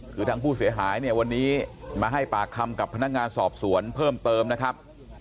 คือทางผู้เสียหายเนี่ยวันนี้มาให้ปากคำกับพนักงานสอบสวนเพิ่มเติมนะครับ